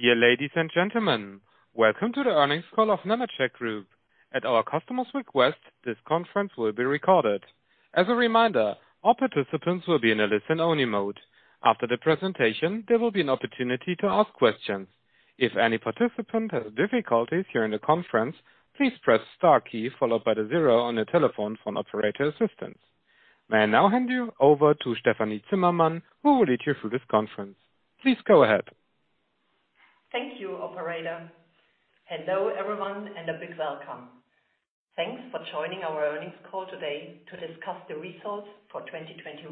Dear ladies and gentlemen, Welcome to the Earnings Call of Nemetschek Group. At our customer's request, this conference will be recorded. As a reminder, all participants will be in a listen-only mode. After the presentation, there will be an opportunity to ask questions. If any participant has difficulties during the conference, please press star key followed by the zero on your telephone for an operator assistance. May I now hand you over to Stefanie Zimmermann, who will lead you through this conference. Please go ahead. Thank you, operator. Hello, everyone, and a big welcome. Thanks for joining our earnings call today to discuss the results for 2021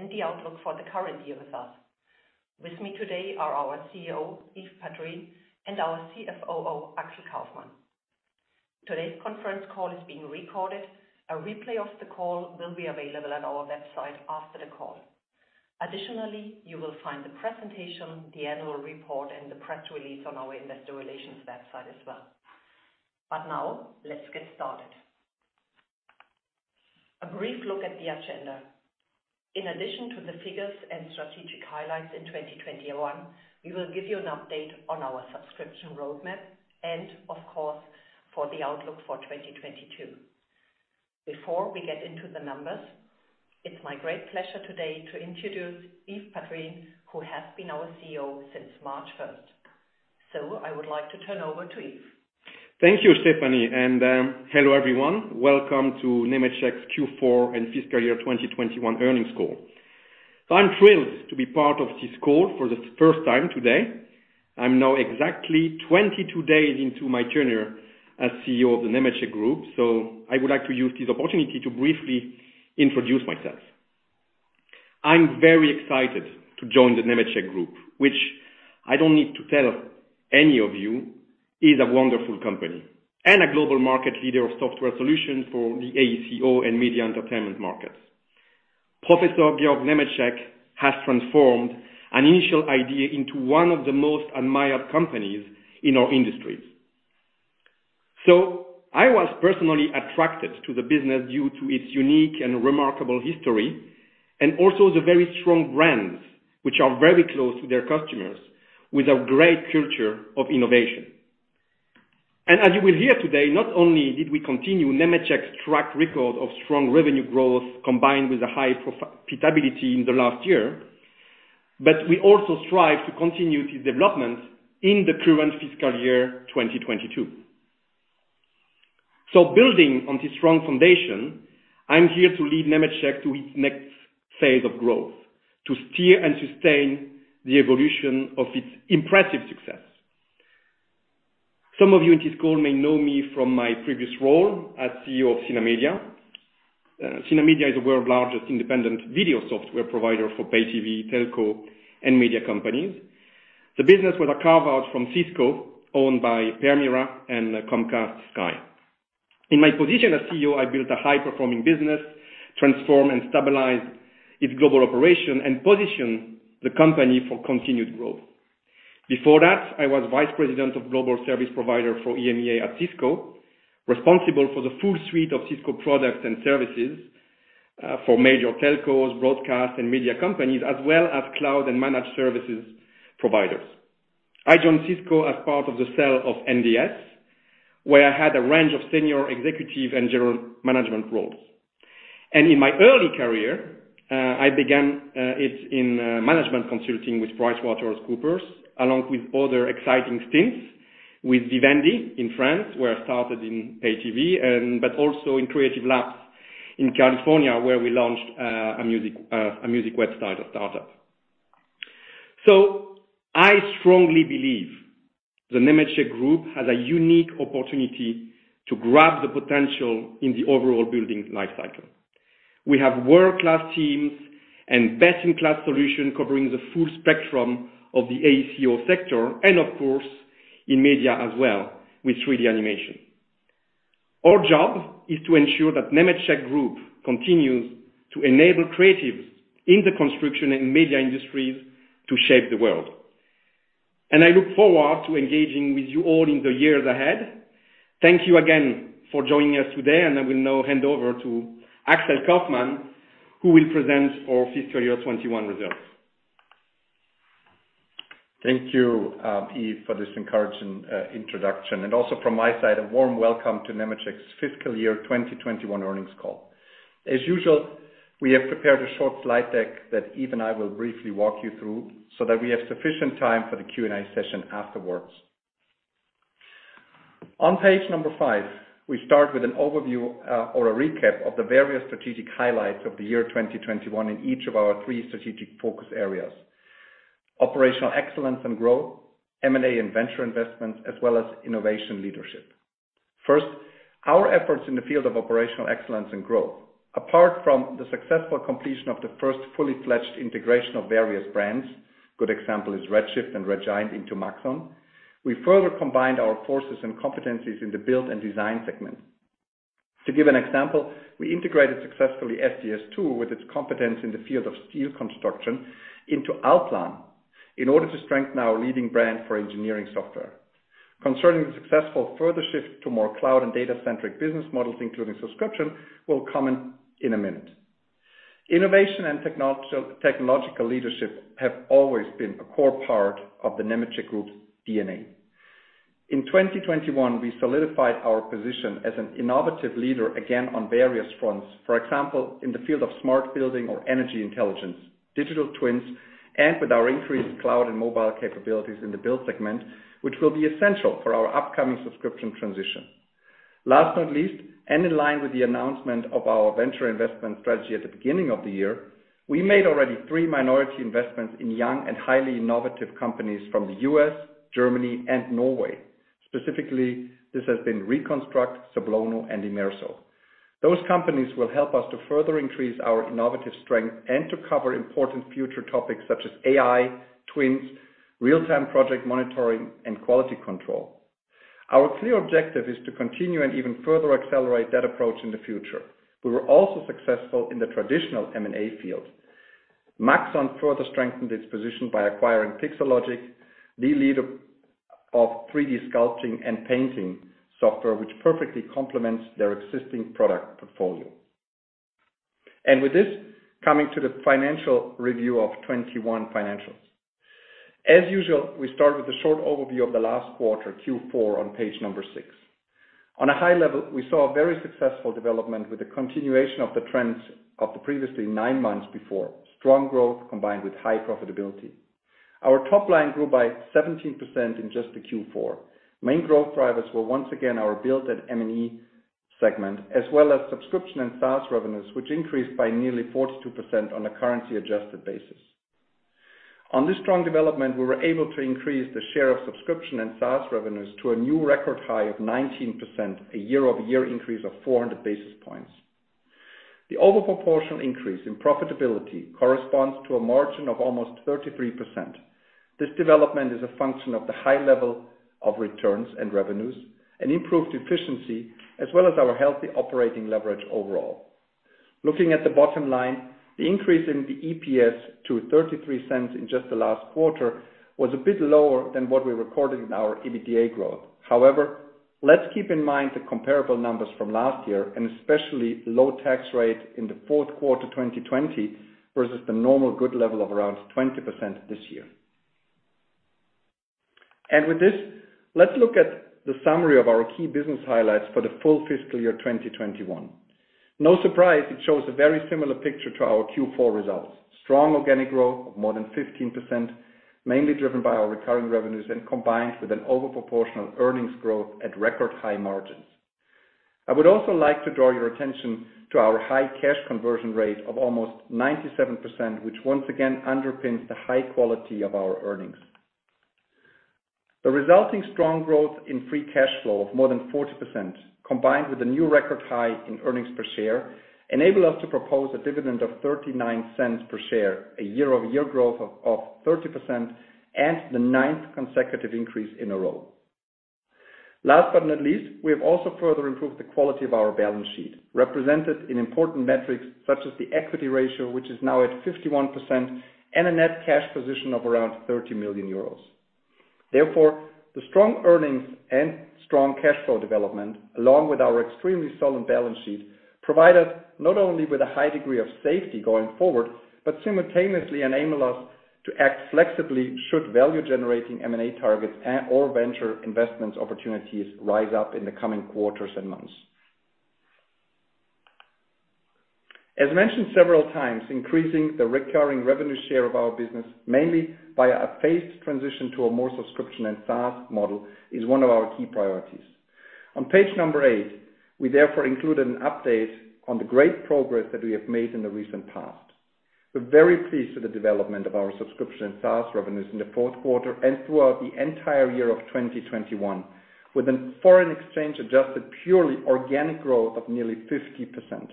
and the outlook for the current year with us. With me today are our CEO, Yves Padrines, and our CFOO, Axel Kaufmann. Today's conference call is being recorded. A replay of the call will be available at our website after the call. Additionally, you will find the presentation, the annual report, and the press release on our investor relations website as well. Now, let's get started. A brief look at the agenda. In addition to the figures and strategic highlights in 2021, we will give you an update on our subscription roadmap and of course, for the outlook for 2022. Before we get into the numbers, it's my great pleasure today to introduce Yves Padrines, who has been our CEO since March first. I would like to turn over to Yves. Thank you, Stefanie. Hello, everyone. Welcome to Nemetschek's Q4 and Fiscal year 2021 Earnings Call. I'm thrilled to be part of this call for the first time today. I'm now exactly 22 days into my tenure as CEO of the Nemetschek Group. I would like to use this opportunity to briefly introduce myself. I'm very excited to join the Nemetschek Group, which I don't need to tell any of you, is a wonderful company and a global market leader of software solution for the AECO and media entertainment markets. Professor Georg Nemetschek has transformed an initial idea into one of the most admired companies in our industry. I was personally attracted to the business due to its unique and remarkable history, and also the very strong brands, which are very close to their customers with a great culture of innovation. As you will hear today, not only did we continue Nemetschek's track record of strong revenue growth combined with a high profitability in the last year, but we also strive to continue the development in the current fiscal year, 2022. Building on this strong foundation, I'm here to lead Nemetschek to its next phase of growth, to steer and sustain the evolution of its impressive success. Some of you in this call may know me from my previous role as CEO of Synamedia. Synamedia is the world's largest independent video software provider for pay TV, telco, and media companies. The business was a carve-out from Cisco, owned by Permira and Comcast Sky. In my position as CEO, I built a high-performing business, transformed and stabilized its global operation, and positioned the company for continued growth. Before that, I was Vice President of Global Service Provider for EMEA at Cisco, responsible for the full suite of Cisco products and services, for major telcos, broadcast, and media companies, as well as cloud and managed services providers. I joined Cisco as part of the sale of NDS, where I had a range of senior executive and general management roles. In my early career, I began in management consulting with PricewaterhouseCoopers, along with other exciting stints with Vivendi in France, where I started in i-TV, but also in Creative Labs in California, where we launched a music website, a startup. I strongly believe the Nemetschek Group has a unique opportunity to grab the potential in the overall building life cycle. We have world-class teams and best-in-class solution covering the full spectrum of the AECO sector and of course, in media as well with 3D animation. Our job is to ensure that Nemetschek Group continues to enable creatives in the construction and media industries to shape the world. I look forward to engaging with you all in the years ahead. Thank you again for joining us today, and I will now hand over to Axel Kaufmann, who will present our fiscal year 2021 results. Thank you, Yves, for this encouraging introduction and also from my side, a warm welcome to Nemetschek's fiscal year 2021 earnings call. As usual, we have prepared a short slide deck that Yves and I will briefly walk you through so that we have sufficient time for the Q&A session afterwards. On page 5, we start with an overview or a recap of the various strategic highlights of the year 2021 in each of our three strategic focus areas: operational excellence and growth, M&A and venture investments, as well as innovation leadership. First, our efforts in the field of operational excellence and growth. Apart from the successful completion of the first fully fledged integration of various brands, good example is Redshift and Red Giant into Maxon, we further combined our forces and competencies in the build and design segment. To give an example, we integrated successfully SDS2 with its competence in the field of steel construction into ALLPLAN in order to strengthen our leading brand for engineering software. Concerning the successful further shift to more cloud and data-centric business models, including subscription, will come in a minute. Innovation and technological leadership have always been a core part of the Nemetschek Group's D&A. In 2021, we solidified our position as an innovative leader again on various fronts. For example, in the field of smart building or energy intelligence, digital twin, and with our increased cloud and mobile capabilities in the build segment, which will be essential for our upcoming subscription transition. Last but not least, in line with the announcement of our venture investment strategy at the beginning of the year, we made already three minority investments in young and highly innovative companies from the U.S., Germany and Norway. Specifically, this has been Reconstruct, Sablono and Imerso. Those companies will help us to further increase our innovative strength and to cover important future topics such as AI, twins, real-time project monitoring and quality control. Our clear objective is to continue and even further accelerate that approach in the future. We were also successful in the traditional M&A field. Maxon further strengthened its position by acquiring Pixologic, the leader of 3D sculpting and painting software, which perfectly complements their existing product portfolio. With this, coming to the financial Revu of 2021 financials. As usual, we start with a short overview of the last quarter, Q4, on page 6. On a high level, we saw a very successful development with the continuation of the trends of the previous 9 months. Strong growth combined with high profitability. Our top line grew by 17% in Q4. Main growth drivers were once again our Build and M&A segment, as well as subscription and SaaS revenues, which increased by nearly 42% on a currency adjusted basis. On this strong development, we were able to increase the share of subscription and SaaS revenues to a new record high of 19%, a year-over-year increase of 400 basis points. The over proportional increase in profitability corresponds to a margin of almost 33%. This development is a function of the high level of returns and revenues, and improved efficiency, as well as our healthy operating leverage overall. Looking at the bottom line, the increase in the EPS to 0.33 in just the last quarter was a bit lower than what we recorded in our EBITDA growth. However, let's keep in mind the comparable numbers from last year, and especially low tax rate in the fourth quarter, 2020, versus the normal good level of around 20% this year. With this, let's look at the summary of our key business highlights for the full fiscal year, 2021. No surprise, it shows a very similar picture to our Q4 results. Strong organic growth of more than 15%, mainly driven by our recurring revenues and combined with an over proportional earnings growth at record high margins. I would also like to draw your attention to our high cash conversion rate of almost 97%, which once again underpins the high quality of our earnings. The resulting strong growth in free cash flow of more than 40%, combined with a new record high in earnings per share, enable us to propose a dividend of 0.39 per share, a year-over-year growth of 30%, and the ninth consecutive increase in a row. Last but not least, we have also further improved the quality of our balance sheet, represented in important metrics such as the equity ratio, which is now at 51%, and a net cash position of around EUR 30 million. Therefore, the strong earnings and strong cash flow development, along with our extremely solid balance sheet, provide us not only with a high degree of safety going forward, but simultaneously enable us to act flexibly should value generating M&A targets or venture investments opportunities rise up in the coming quarters and months. As mentioned several times, increasing the recurring revenue share of our business, mainly by a phased transition to a more subscription and SaaS model, is one of our key priorities. On page 8, we therefore included an update on the great progress that we have made in the recent past. We're very pleased with the development of our subscription and SaaS revenues in the fourth quarter and throughout the entire year of 2021, with a foreign exchange adjusted purely organic growth of nearly 50%.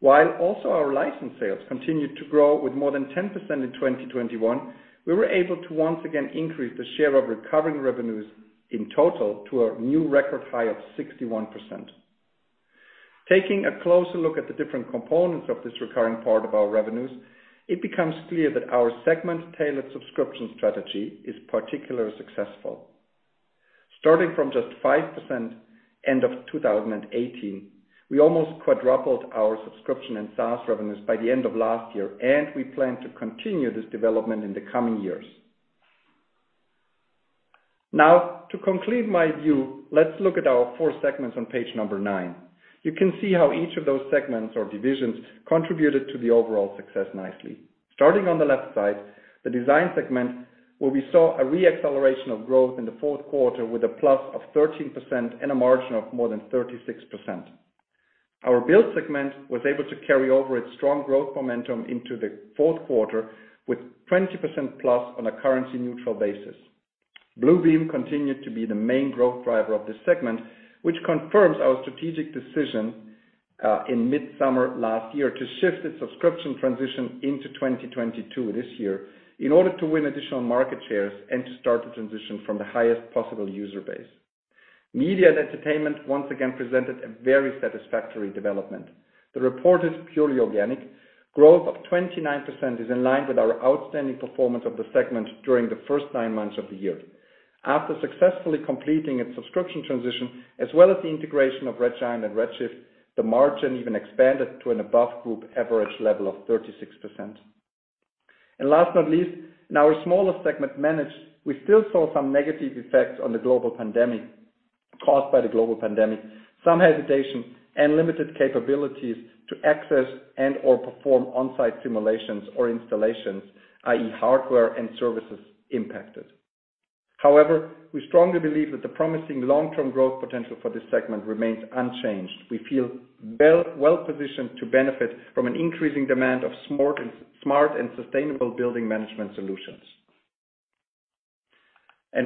While also our license sales continued to grow with more than 10% in 2021, we were able to once again increase the share of recurring revenues in total to a new record high of 61%. Taking a closer look at the different components of this recurring part of our revenues, it becomes clear that our segment tailored subscription strategy is particularly successful. Starting from just 5% end of 2018, we almost quadrupled our subscription and SaaS revenues by the end of last year, and we plan to continue this development in the coming years. Now, to conclude my view, let's look at our four segments on page 9. You can see how each of those segments or divisions contributed to the overall success nicely. Starting on the left side, the Design segment, where we saw a re-acceleration of growth in the fourth quarter with a plus of 13% and a margin of more than 36%. Our Build segment was able to carry over its strong growth momentum into the fourth quarter with 20%+ on a currency neutral basis. Bluebeam continued to be the main growth driver of this segment, which confirms our strategic decision in mid-summer last year to shift its subscription transition into 2022 this year in order to win additional market shares and to start the transition from the highest possible user base. Media and Entertainment once again presented a very satisfactory development. The reported purely organic growth of 29% is in line with our outstanding performance of the segment during the first nine months of the year. After successfully completing its subscription transition as well as the integration of Red Giant and Redshift, the margin even expanded to an above group average level of 36%. Last but not least, in our smaller segment, Manage, we still saw some negative effects caused by the global pandemic, some hesitation and limited capabilities to access or perform on-site simulations or installations, i.e. hardware and services impacted. However, we strongly believe that the promising long-term growth potential for this segment remains unchanged. We feel well-positioned to benefit from an increasing demand of smart and sustainable building management solutions.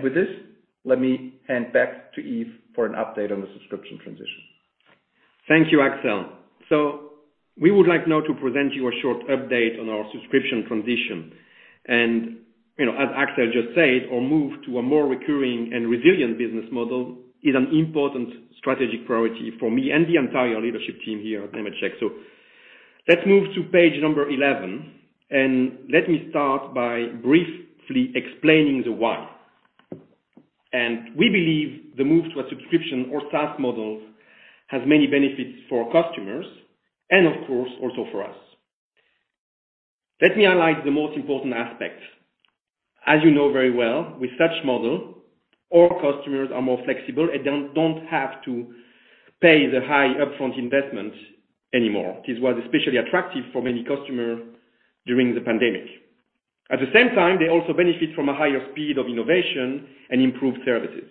With this, let me hand back to Yves for an update on the subscription transition. Thank you, Axel. We would like now to present you a short update on our subscription transition. You know, as Axel just said, our move to a more recurring and resilient business model is an important strategic priority for me and the entire leadership team here at Nemetschek. Let's move to page 11, and let me start by briefly explaining the why. We believe the move to a subscription or SaaS model has many benefits for our customers and of course also for us. Let me highlight the most important aspects. As you know very well, with such model our customers are more flexible and don't have to pay the high upfront investment anymore. This was especially attractive for many customers during the pandemic. At the same time, they also benefit from a higher speed of innovation and improved services.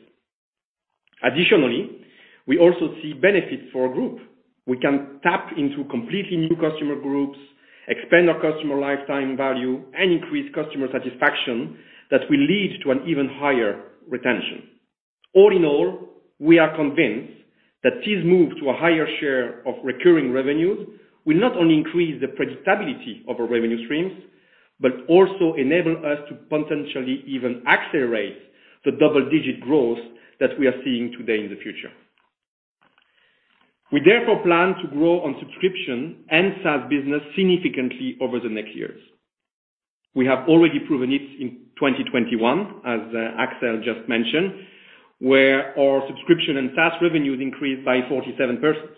Additionally, we also see benefits for our group. We can tap into completely new customer groups, expand our customer lifetime value, and increase customer satisfaction that will lead to an even higher retention. All in all, we are convinced that this move to a higher share of recurring revenues will not only increase the predictability of our revenue streams, but also enable us to potentially even accelerate the double-digit growth that we are seeing today in the future. We therefore plan to grow on subscription and SaaS business significantly over the next years. We have already proven it in 2021, as Axel just mentioned, where our subscription and SaaS revenues increased by 47%.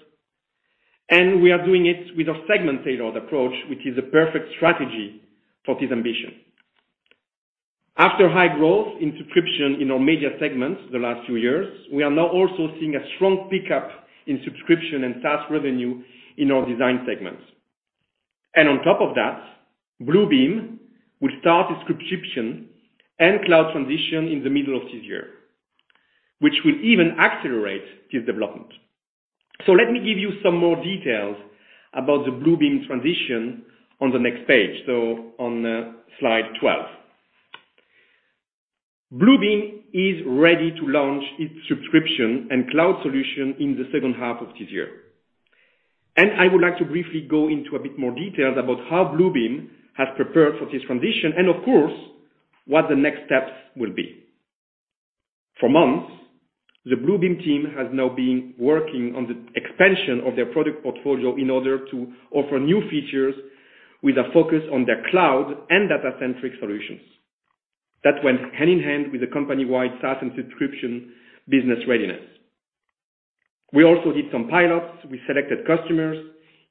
We are doing it with a segment sales approach, which is a perfect strategy for this ambition. After high growth in subscription in our media segment the last few years, we are now also seeing a strong pickup in subscription and SaaS revenue in our design segments. On top of that, Bluebeam will start its subscription and cloud transition in the middle of this year, which will even accelerate this development. Let me give you some more details about the Bluebeam transition on the next page. On slide 12. Bluebeam is ready to launch its subscription and cloud solution in the second half of this year. I would like to briefly go into a bit more details about how Bluebeam has prepared for this transition and of course, what the next steps will be. For months, the Bluebeam team has now been working on the expansion of their product portfolio in order to offer new features with a focus on their cloud and data centric solutions. That went hand in hand with the company-wide SaaS and subscription business readiness. We also did some pilots with selected customers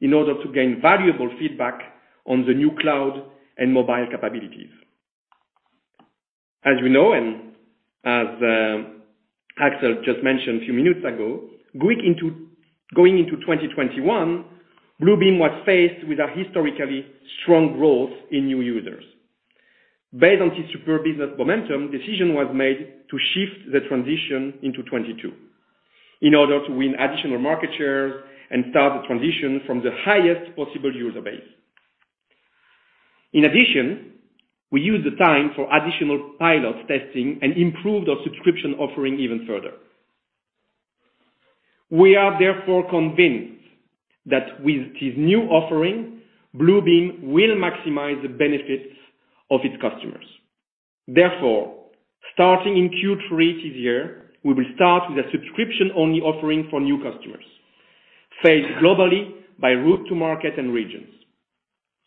in order to gain valuable feedback on the new cloud and mobile capabilities. As you know, and as Axel just mentioned a few minutes ago, going into 2021, Bluebeam was faced with a historically strong growth in new users. Based on this superb business momentum, decision was made to shift the transition into 2022 in order to win additional market shares and start the transition from the highest possible user base. In addition, we use the time for additional pilot testing and improve the subscription offering even further. We are therefore convinced that with this new offering, Bluebeam will maximize the benefits of its customers. Therefore, starting in Q3 this year, we will start with a subscription-only offering for new customers, phased globally by route to market and regions.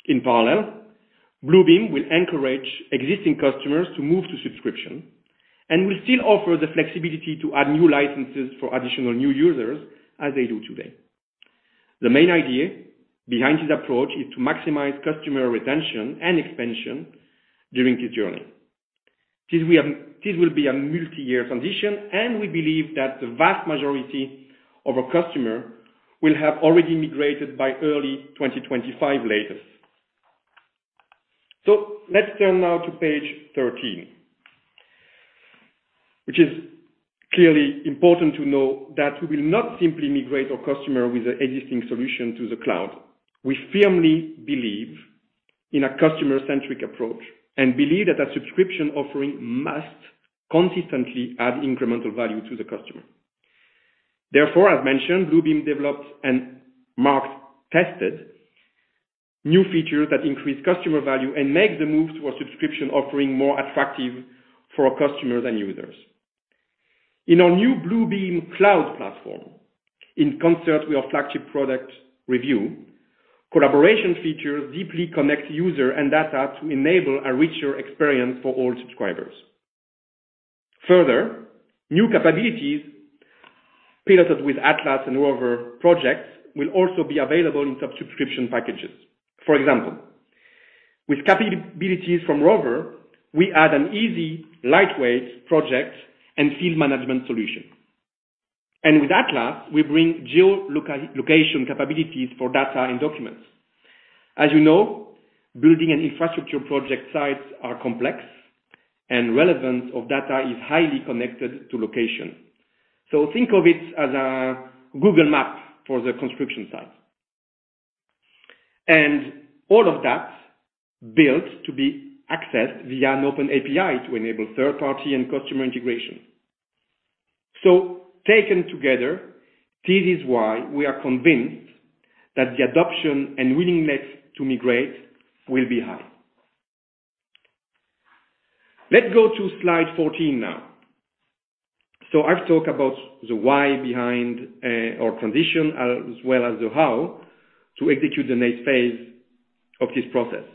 In parallel, Bluebeam will encourage existing customers to move to subscription and will still offer the flexibility to add new licenses for additional new users as they do today. The main idea behind this approach is to maximize customer retention and expansion during this journey. This will be a multi-year transition, and we believe that the vast majority of our customer will have already migrated by early 2025 latest. Let's turn now to page 13, which is clearly important to know that we will not simply migrate our customer with the existing solution to the cloud. We firmly believe in a customer-centric approach and believe that a subscription offering must consistently add incremental value to the customer. Therefore, as mentioned, Bluebeam developed and market-tested new features that increase customer value and make the move to a subscription offering more attractive for our customers and users. In our new Bluebeam cloud platform, in concert with our flagship product review, collaboration features deeply connect user and data to enable a richer experience for all subscribers. Further, new capabilities piloted with Atlas and Rover projects will also be available in subscription packages. For example, with capabilities from Rover, we add an easy, lightweight project and field management solution. With Atlas, we bring geo-location capabilities for data and documents. As you know, building an infrastructure project sites are complex, and relevance of data is highly connected to location. Think of it as a Google Maps for the construction site. All of that built to be accessed via an open API to enable third party and customer integration. Taken together, this is why we are convinced that the adoption and willingness to migrate will be high. Let's go to slide 14 now. I've talked about the why behind our transition, as well as the how to execute the next phase of this process.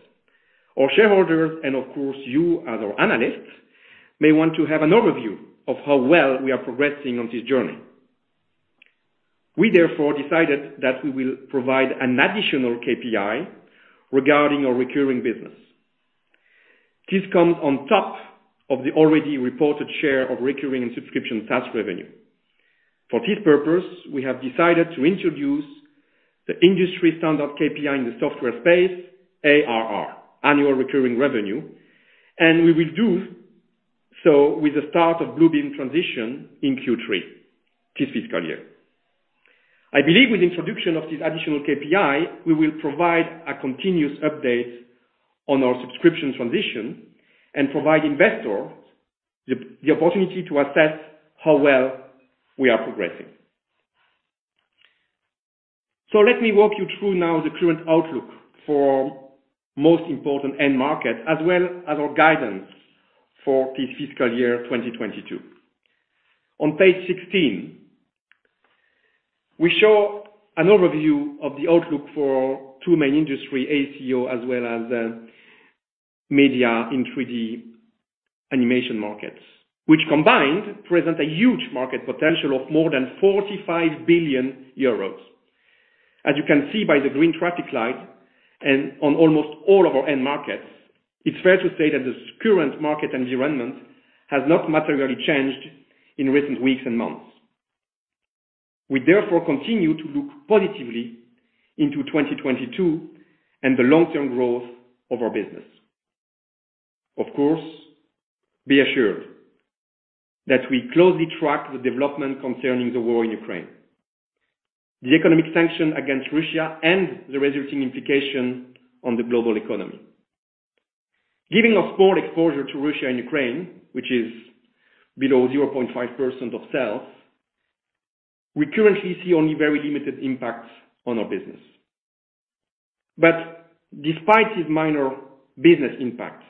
Our shareholders, and of course, you as our analysts, may want to have an overview of how well we are progressing on this journey. We therefore decided that we will provide an additional KPI regarding our recurring business. This comes on top of the already reported share of recurring and subscription SaaS revenue. For this purpose, we have decided to introduce the industry standard KPI in the software space, ARR, annual recurring revenue, and we will do so with the start of Bluebeam transition in Q3 this fiscal year. I believe with the introduction of this additional KPI, we will provide a continuous update on our subscription transition and provide investor the opportunity to assess how well we are progressing. Let me walk you through now the current outlook for most important end market, as well as our guidance for this fiscal year 2022. On page 16, we show an overview of the outlook for two main industry, AECO, as well as, media and 3D animation markets, which combined present a huge market potential of more than 45 billion euros. As you can see by the green traffic light and on almost all of our end markets, it's fair to say that this current market environment has not materially changed in recent weeks and months. We therefore continue to look positively into 2022 and the long-term growth of our business. Of course, be assured that we closely track the development concerning the war in Ukraine, the economic sanctions against Russia, and the resulting implications on the global economy. Given our small exposure to Russia and Ukraine, which is below 0.5% of sales, we currently see only very limited impacts on our business. Despite this minor business impact,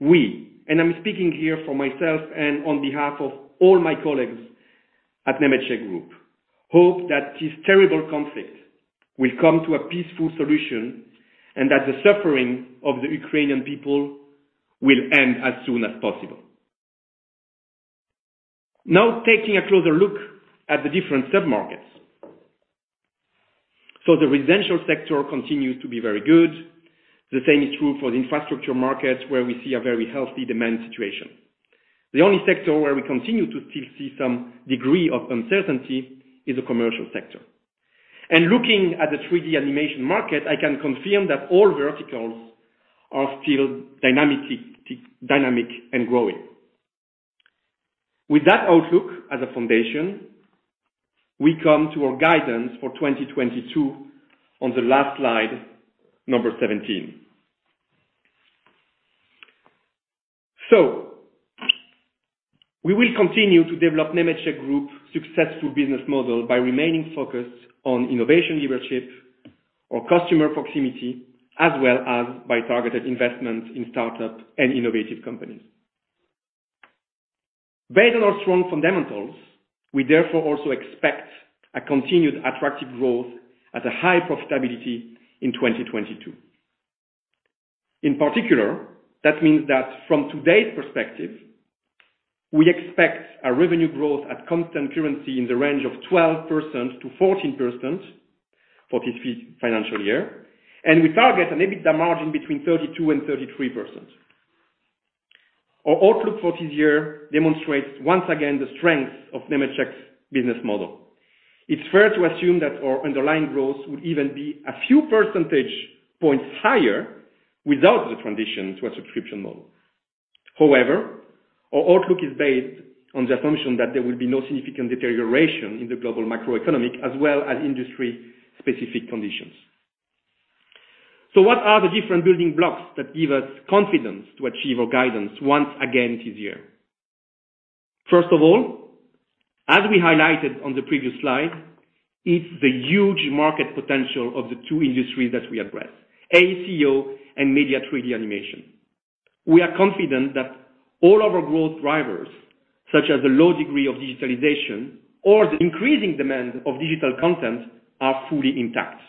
we, and I'm speaking here for myself and on behalf of all my colleagues at Nemetschek Group, hope that this terrible conflict will come to a peaceful solution and that the suffering of the Ukrainian people will end as soon as possible. Now taking a closer look at the different sub-markets. The residential sector continues to be very good. The same is true for the infrastructure market, where we see a very healthy demand situation. The only sector where we continue to still see some degree of uncertainty is the commercial sector. Looking at the 3D animation market, I can confirm that all verticals are still dynamic and growing. With that outlook as a foundation, we come to our guidance for 2022 on the last slide, number 17. We will continue to develop Nemetschek Group successful business model by remaining focused on innovation leadership or customer proximity, as well as by targeted investment in startup and innovative companies. Based on our strong fundamentals, we therefore also expect a continued attractive growth at a high profitability in 2022. In particular, that means that from today's perspective, we expect a revenue growth at constant currency in the range of 12%-14% for this financial year, and we target an EBITDA margin between 32% and 33%. Our outlook for this year demonstrates once again the strength of Nemetschek's business model. It's fair to assume that our underlying growth would even be a few percentage points higher without the transition to a subscription model. However, our outlook is based on the assumption that there will be no significant deterioration in the global macroeconomic as well as industry specific conditions. What are the different building blocks that give us confidence to achieve our guidance once again this year? First of all, as we highlighted on the previous slide, it's the huge market potential of the two industries that we address, AECO and Media, 3D animation. We are confident that all of our growth drivers, such as the low degree of digitalization or the increasing demand of digital content, are fully intact.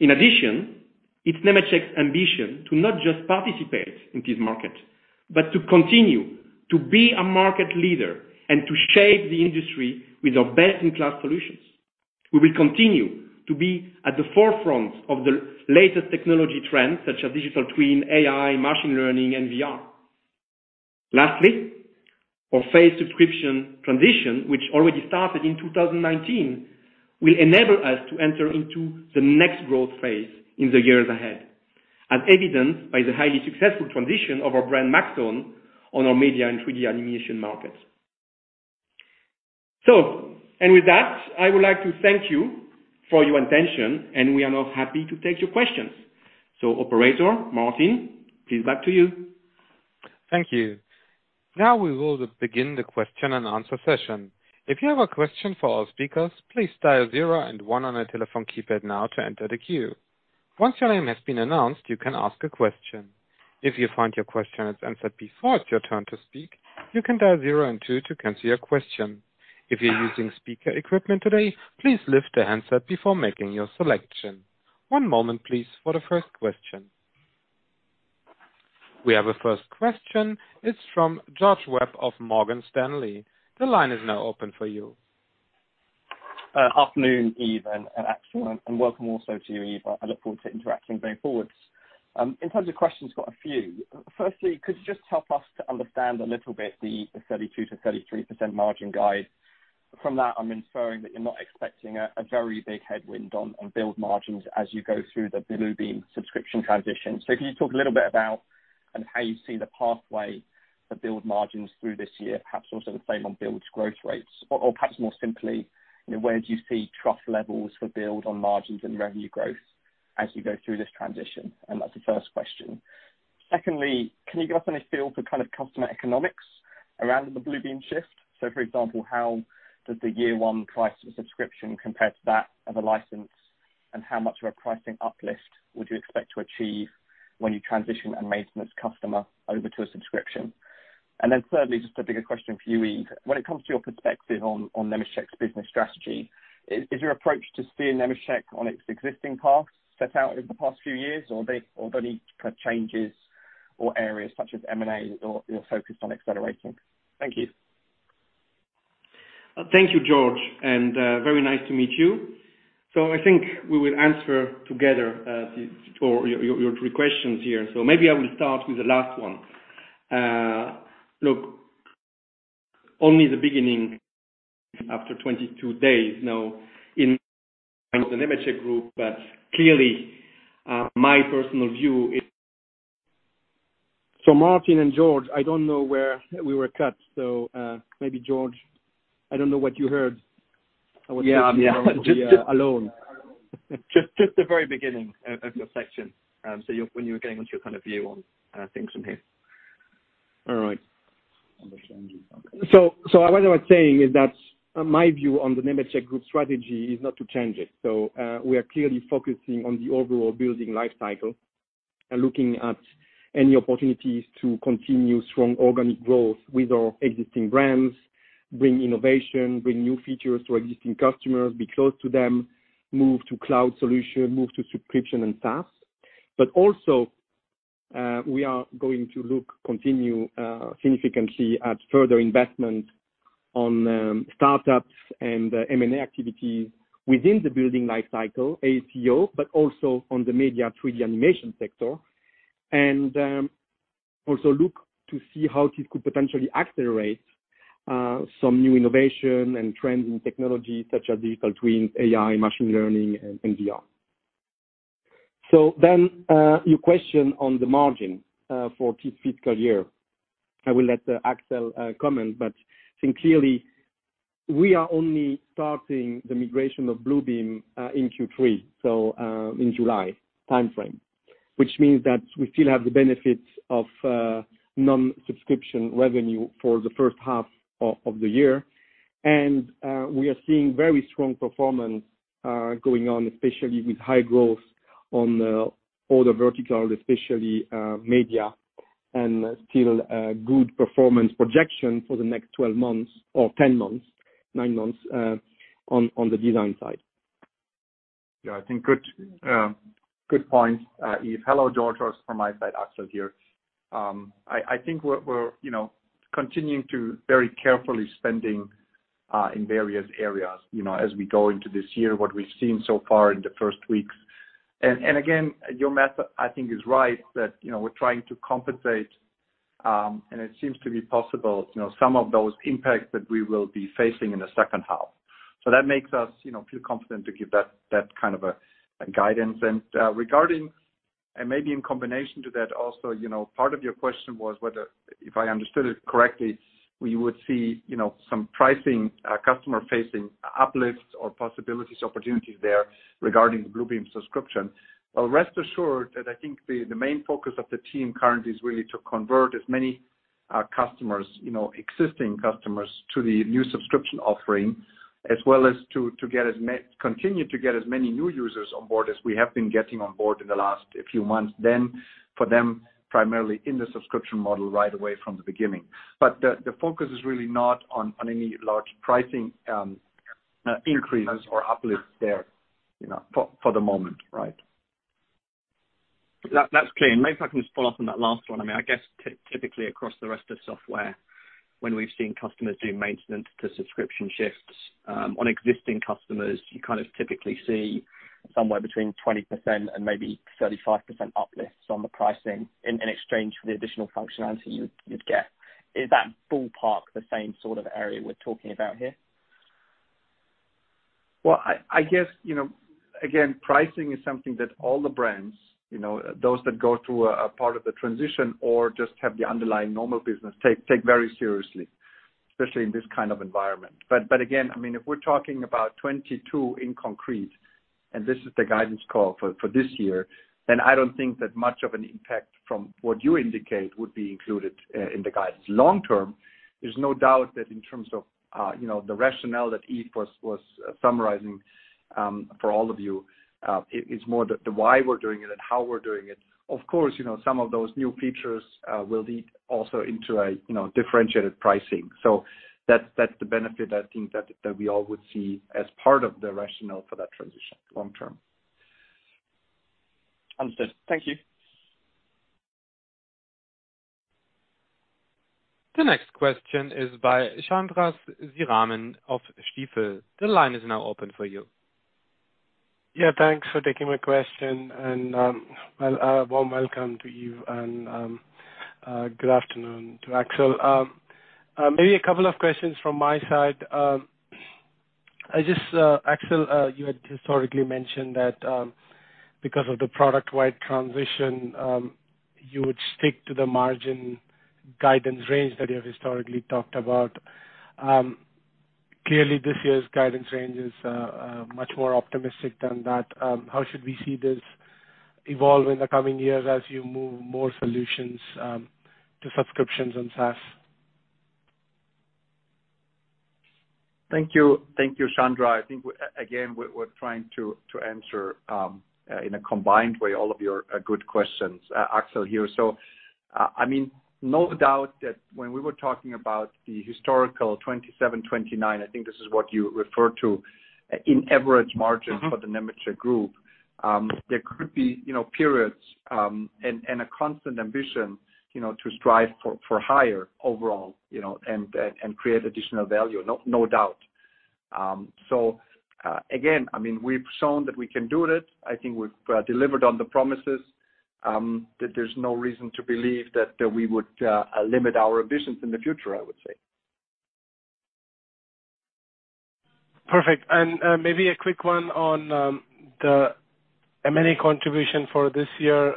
In addition, it's Nemetschek's ambition to not just participate in this market, but to continue to be a market leader and to shape the industry with our best-in-class solutions. We will continue to be at the forefront of the latest technology trends such as digital twin, AI, machine learning, and VR. Lastly, our phase subscription transition, which already started in 2019, will enable us to enter into the next growth phase in the years ahead, as evidenced by the highly successful transition of our brand Maxon on our media and 3D animation market. With that, I would like to thank you for your attention, and we are now happy to take your questions. Operator, Martin, please back to you. Thank you. Now we will begin the question and answer session. If you have a question for our speakers, please dial zero and one on your telephone keypad now to enter the queue. Once your name has been announced, you can ask a question. If you find your question is answered before it's your turn to speak, you can dial zero and two to cancel your question. If you're using speaker equipment today, please lift the handset before making your selection. One moment, please, for the first question. We have a first question. It's from George Webb of Morgan Stanley. The line is now open for you. Afternoon, Yves and Axel, welcome also to you, Yves. I look forward to interacting going forwards. In terms of questions, got a few. Firstly, could you just help us to understand a little bit the 32%-33% margin guide? From that, I'm inferring that you're not expecting a very big headwind on Build margins as you go through the Bluebeam subscription transition. Can you talk a little bit about how you see the pathway to Build margins through this year, perhaps also the same on Build growth rates, or perhaps more simply, you know, where do you see trough levels for Build margins and revenue growth as you go through this transition? That's the first question. Secondly, can you give us any feel for kind of customer economics around the Bluebeam shift? For example, how does the year one price of a subscription compare to that of a license, and how much of a pricing uplift would you expect to achieve when you transition a maintenance customer over to a subscription? Thirdly, just a bigger question for you, Yves. When it comes to your perspective on Nemetschek's business strategy, is your approach to steer Nemetschek on its existing path set out over the past few years, or are there any kind of changes or areas such as M&A that you're focused on accelerating? Thank you. Thank you, George, and very nice to meet you. I think we will answer together for your three questions here. Maybe I will start with the last one. Look, only the beginning after 22 days now in the Nemetschek Group, but clearly, my personal view is. Martin and George, I don't know where we were cut, so maybe George, I don't know what you heard. Yeah, yeah. Just, alone. Just the very beginning of your section. When you were getting onto your kind of view on things from here. All right. Understandable. What I was saying is that my view on the Nemetschek Group strategy is not to change it. We are clearly focusing on the overall building life cycle and looking at any opportunities to continue strong organic growth with our existing brands, bring innovation, bring new features to existing customers, be close to them, move to cloud solution, move to subscription and SaaS. But also, we are going to continue significantly at further investment on startups and M&A activity within the building life-cycle, AECO, but also on the media 3D animation sector. Also look to see how this could potentially accelerate some new innovation and trends in technology such as digital twin, AI, machine learning, and VR. Your question on the margin for this fiscal year. I will let Axel comment, but I think clearly we are only starting the migration of Bluebeam in Q3, so in July time-frame. Which means that we still have the benefits of non-subscription revenue for the first half of the year. We are seeing very strong performance going on, especially with high growth on all the verticals, especially media, and still a good performance projection for the next 12 months or 10 months, 9 months on the design side. Yeah, I think good points, Yves. Hello, George, also from my side, Axel here. I think we're you know, continuing to very carefully spending in various areas, you know, as we go into this year, what we've seen so far in the first weeks. Again, your math, I think is right that, you know, we're trying to compensate, and it seems to be possible, you know, some of those impacts that we will be facing in the second half. That makes us, you know, feel confident to give that kind of guidance. Regarding and maybe in combination to that also, you know, part of your question was whether, if I understood it correctly, we would see, you know, some pricing customer-facing uplifts or possibilities, opportunities there regarding the Bluebeam subscription. Well, rest assured that I think the main focus of the team currently is really to convert our customers, you know, existing customers to the new subscription offering, as well as to continue to get as many new users on board as we have been getting on board in the last few months, then for them, primarily in the subscription model right away from the beginning. The focus is really not on any large pricing increases or uplifts there, you know, for the moment, right? That's clear. Maybe if I can just follow up on that last one. I mean, I guess typically across the rest of software, when we've seen customers do maintenance to subscription shifts, on existing customers, you kind of typically see somewhere between 20% and maybe 35% uplifts on the pricing in exchange for the additional functionality you'd get. Is that ballpark the same sort of area we're talking about here? Well, I guess, you know, again, pricing is something that all the brands, you know, those that go through a part of the transition or just have the underlying normal business take very seriously, especially in this kind of environment. Again, I mean, if we're talking about 22 in concrete, and this is the guidance call for this year, then I don't think that much of an impact from what you indicate would be included in the guidance long term. There's no doubt that in terms of, you know, the rationale that Yves was summarizing for all of you, it is more the why we're doing it and how we're doing it. Of course, you know, some of those new features will lead also into a differentiated pricing. That's the benefit I think that we all would see as part of the rationale for that transition long term. Understood. Thank you. The next question is by Deepshikha Agarwal of Stifel. The line is now open for you. Yeah, thanks for taking my question and, well, a warm welcome to you and, good afternoon to Axel. Maybe a couple of questions from my side. I just, Axel, you had historically mentioned that, because of the product wide transition, you would stick to the margin guidance range that you have historically talked about. Clearly this year's guidance range is much more optimistic than that. How should we see this evolve in the coming years as you move more solutions to subscriptions and SaaS? Thank you. Thank you, Deepshikha Agarwal. I think again, we're trying to answer in a combined way, all of your good questions, Axel here. I mean, no doubt that when we were talking about the historical 27%-29%, I think this is what you refer to in average margins. Mm-hmm. For the Nemetschek Group, there could be, you know, periods, and a constant ambition, you know, to strive for higher overall, you know, and create additional value, no doubt. Again, I mean, we've shown that we can do it. I think we've delivered on the promises, that there's no reason to believe that we would limit our ambitions in the future, I would say. Perfect. Maybe a quick one on the M&A contribution for this year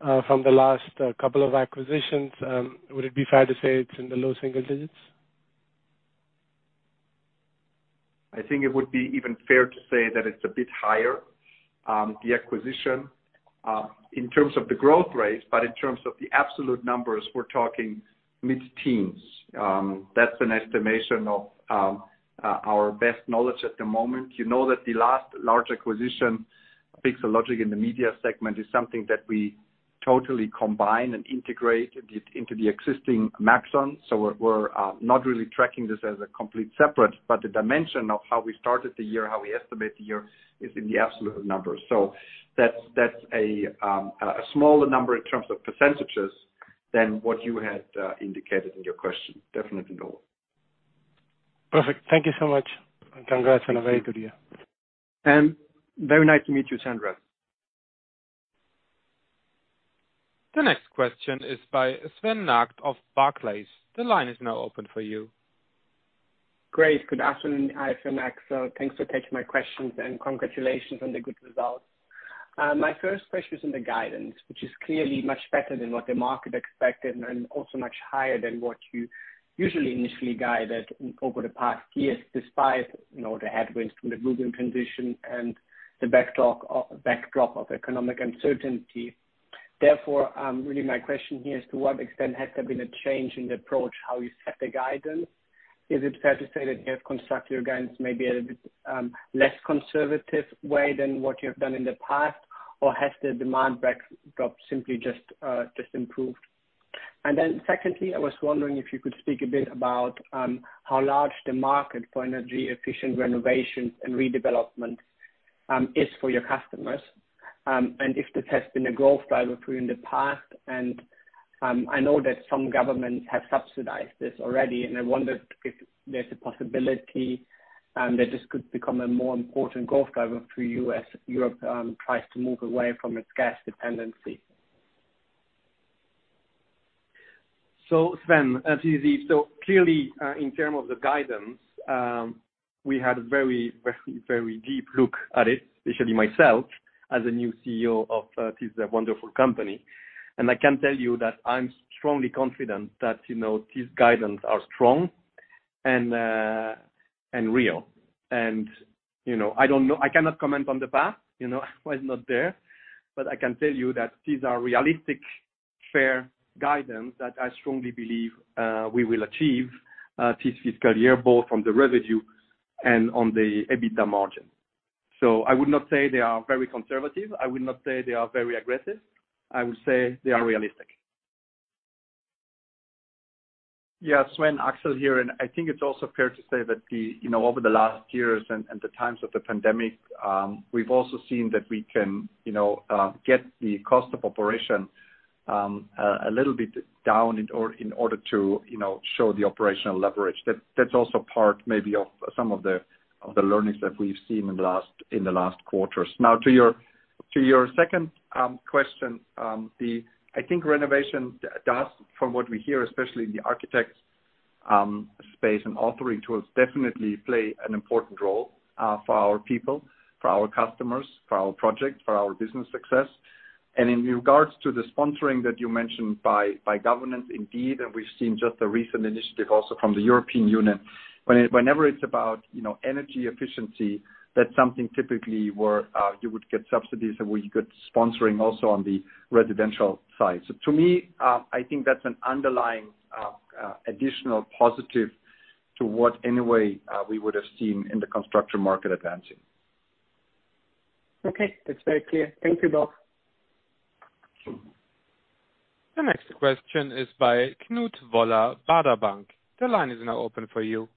from the last couple of acquisitions. Would it be fair to say it's in the low single digits? I think it would be even fair to say that it's a bit higher, the acquisition in terms of the growth rates, but in terms of the absolute numbers, we're talking mid-teens. That's an estimation of our best knowledge at the moment. You know that the last large acquisition, Pixologic in the media segment, is something that we totally combine and integrate it into the existing Maxon. So we're not really tracking this as a complete separate, but the dimension of how we started the year, how we estimate the year is in the absolute numbers. So that's a smaller number in terms of percentages than what you had indicated in your question. Definitely lower. Perfect. Thank you so much. Congrats on a very good year. Very nice to meet you, Deepshikha Agarwal. The next question is by Sven Merkt of Barclays. The line is now open for you. Great. Good afternoon. Hi, Axel. Thanks for taking my questions and congratulations on the good results. My first question is on the guidance, which is clearly much better than what the market expected and also much higher than what you usually initially guided over the past years, despite, you know, the headwinds from the global transition and the backdrop of economic uncertainty. Therefore, really my question here is to what extent has there been a change in the approach, how you set the guidance? Is it fair to say that you have constructed your guidance maybe a little bit less conservative way than what you have done in the past? Or has the demand backdrop simply just improved? I was wondering if you could speak a bit about how large the market for energy efficient renovations and redevelopment is for your customers, and if this has been a growth driver for you in the past. I know that some governments have subsidized this already, and I wondered if there's a possibility that this could become a more important growth driver for you as Europe tries to move away from its gas dependency. Sven, as you see, so clearly, in terms of the guidance, we had a very deep look at it, especially myself as a new CEO of this wonderful company. I can tell you that I'm strongly confident that, you know, these guidance are strong. You know, I don't know. I cannot comment on the past, you know. I was not there, but I can tell you that these are realistic, fair guidance that I strongly believe we will achieve this fiscal year, both on the revenue and on the EBITDA margin. I would not say they are very conservative. I would not say they are very aggressive. I would say they are realistic. Yeah. Sven, Axel here. I think it's also fair to say that, you know, over the last years and the times of the pandemic, we've also seen that we can, you know, get the cost of operation a little bit down in order to, you know, show the operational leverage. That's also part maybe of some of the learnings that we've seen in the last quarters. Now to your second question, I think renovation does, from what we hear, especially in the architect space and authoring tools, definitely play an important role for our people, for our customers, for our project, for our business success. In regards to the sponsoring that you mentioned by governance, indeed, and we've seen just a recent initiative also from the European Union, whenever it's about, you know, energy efficiency, that's something typically where you would get subsidies and where you could sponsoring also on the residential side. To me, I think that's an underlying additional positive to what anyway we would've seen in the construction market advancing. Okay. That's very clear. Thank you, both. The next question is by Knut Woller, Baader Bank. The line is now open for you.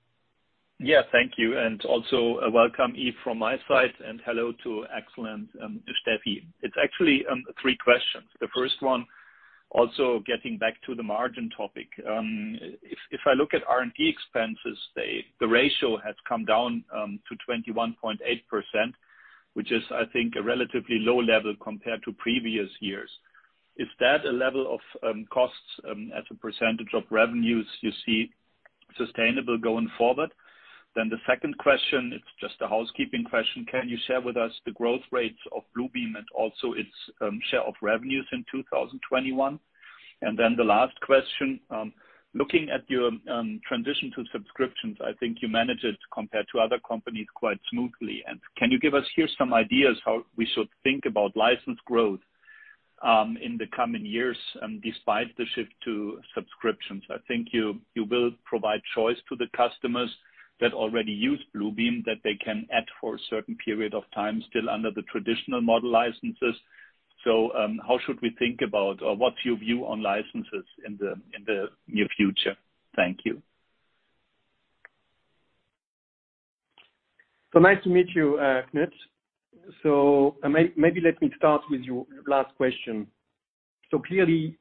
Yeah, thank you, and also welcome, Yves, from my side, and hello to Axel and Stephie. It's actually three questions. The first one, also getting back to the margin topic, if I look at R&D expenses, the ratio has come down to 21.8%, which is, I think, a relatively low level compared to previous years. Is that a level of costs as a percentage of revenues you see sustainable going forward? The second question, it's just a housekeeping question. Can you share with us the growth rates of Bluebeam and also its share of revenues in 2021? The last question, looking at your transition to subscriptions, I think you managed it compared to other companies quite smoothly. Can you give us here some ideas how we should think about license growth in the coming years despite the shift to subscriptions? I think you will provide choice to the customers that already use Bluebeam, that they can add for a certain period of time still under the traditional model licenses. How should we think about or what's your view on licenses in the near future? Thank you. Nice to meet you, Knut. Maybe let me start with your last question. Clearly,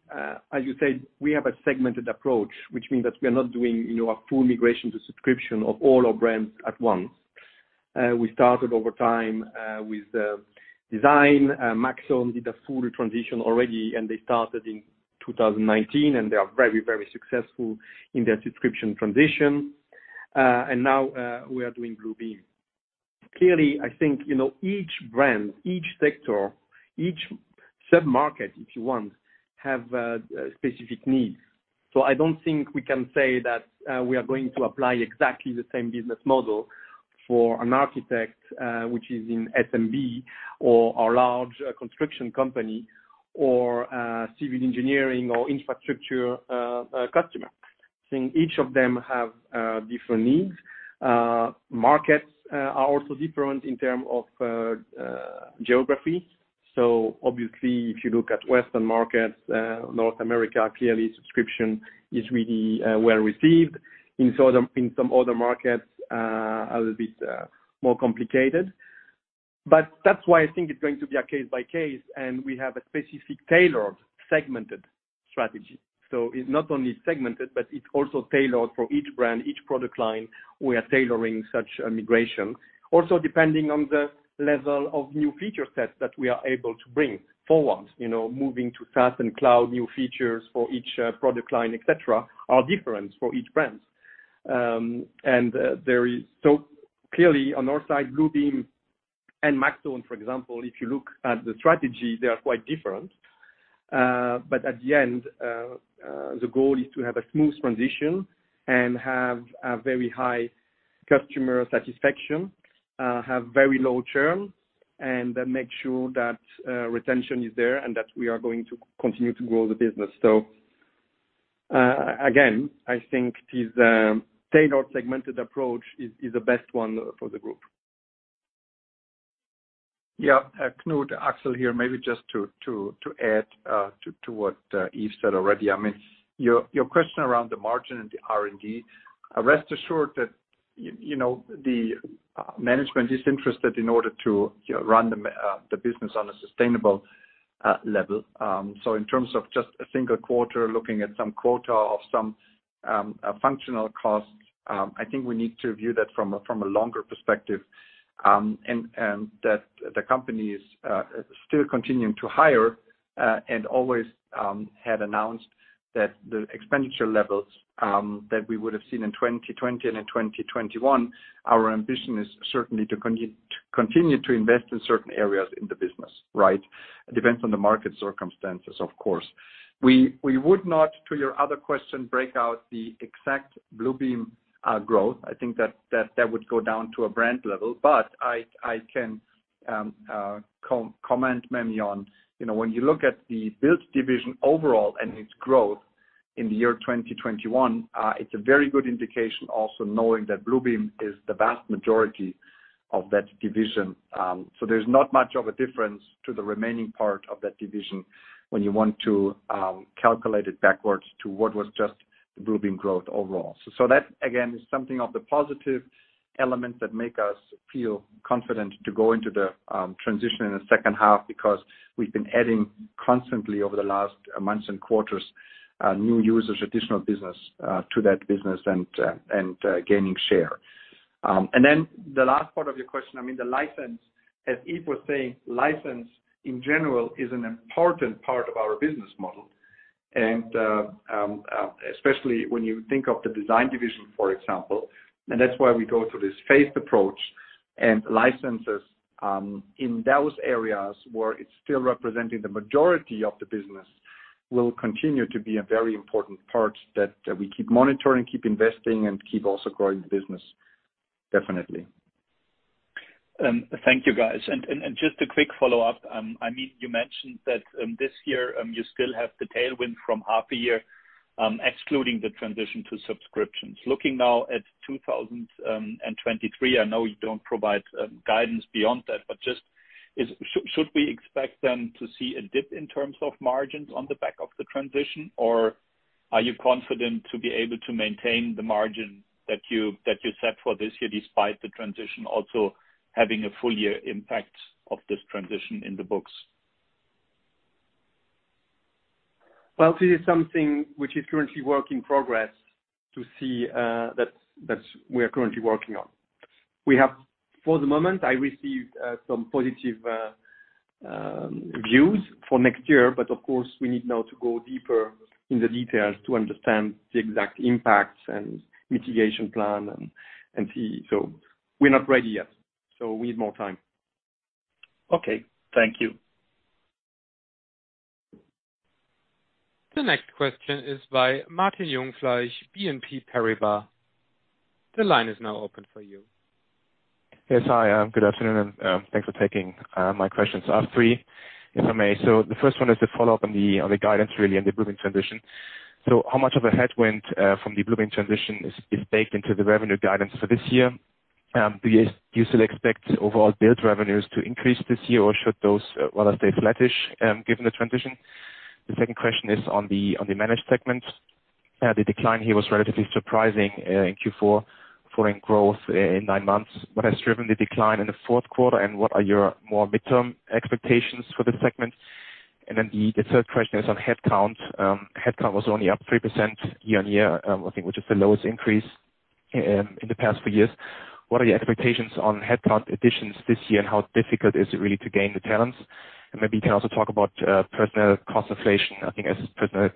as you said, we have a segmented approach, which means that we are not doing, you know, a full migration to subscription of all our brands at once. We started over time with design. Maxon did a full transition already, and they started in 2019, and they are very, very successful in their subscription transition. Now, we are doing Bluebeam. Clearly, I think, you know, each brand, each sector, each sub-market, if you want, have specific needs. I don't think we can say that we are going to apply exactly the same business model for an architect, which is in S&P or a large construction company or civil engineering or infrastructure customer. I think each of them have different needs. Markets are also different in terms of geography. Obviously, if you look at Western markets, North America, clearly subscription is really well-received. In some other markets, a little bit more complicated. That's why I think it's going to be a case-by-case, and we have a specific tailored, segmented strategy. It's not only segmented, but it's also tailored for each brand, each product line, we are tailoring such a migration. Also, depending on the level of new feature sets that we are able to bring forward, you know, moving to SaaS and cloud, new features for each product line, et cetera, are different for each brand. Clearly on our side, Bluebeam and Maxon, for example, if you look at the strategy, they are quite different. At the end, the goal is to have a smooth transition and have a very high customer satisfaction, have very low churn, and make sure that retention is there and that we are going to continue to grow the business. Again, I think this tailored segmented approach is the best one for the group. Knut, Axel here. Maybe just to add to what Yves said already. I mean, your question around the margin and the R&D. Rest assured that, you know, the management is interested in order to, you know, run the business on a sustainable level. In terms of just a single quarter, looking at some quota of some functional costs, I think we need to view that from a longer perspective. That the company is still continuing to hire and always had announced that the expenditure levels that we would have seen in 2020 and in 2021. Our ambition is certainly to continue to invest in certain areas in the business, right? It depends on the market circumstances, of course. We would not, to your other question, break out the exact Bluebeam growth. I think that would go down to a brand level. I can comment maybe on, you know, when you look at the build division overall and its growth in the year 2021, it's a very good indication also knowing that Bluebeam is the vast majority of that division. There's not much of a difference to the remaining part of that division when you want to calculate it backwards to what was just the Bluebeam growth overall. That again is something of the positive elements that make us feel confident to go into the transition in the second half because we've been adding constantly over the last months and quarters, new users, additional business, to that business and gaining share. Then the last part of your question, I mean, the license, as Yves was saying, license in general is an important part of our business model, especially when you think of the design division, for example, and that's why we go through this phased approach. Licenses in those areas where it's still representing the majority of the business will continue to be a very important part that we keep monitoring, keep investing, and keep also growing the business. Definitely. Thank you, guys. Just a quick follow-up. I mean, you mentioned that this year you still have the tailwind from half a year, excluding the transition to subscriptions. Looking now at 2023, I know you don't provide guidance beyond that, but should we expect then to see a dip in terms of margins on the back of the transition? Or are you confident to be able to maintain the margin that you set for this year, despite the transition also having a full year impact of this transition in the books? Well, this is something which is currently work in progress to see that we are currently working on. For the moment, I received some positive views for next year, but of course we need now to go deeper in the details to understand the exact impacts and mitigation plan and see. We're not ready yet, so we need more time. Okay. Thank you. The next question is by Martin Jungfleisch, BNP Paribas. The line is now open for you. Yes. Hi. Good afternoon, and thanks for taking my questions. I have three, if I may. The first one is a follow-up on the guidance, really, on the Bluebeam transition. How much of a headwind from the Bluebeam transition is baked into the revenue guidance for this year? Do you still expect overall Build revenues to increase this year, or should those rather stay flattish, given the transition? The second question is on the Manage segment. The decline here was relatively surprising in Q4, following growth in nine months. What has driven the decline in the fourth quarter, and what are your more midterm expectations for the segment? The third question is on headcount. Headcount was only up 3% year-on-year, I think which is the lowest increase in the past few years. What are your expectations on headcount additions this year, and how difficult is it really to gain the talents? Maybe you can also talk about personnel cost inflation, I think as personnel